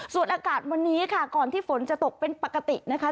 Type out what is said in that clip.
ส่วนอากาศวันนี้ค่ะก่อนที่ฝนจะตกเป็นปกตินะคะ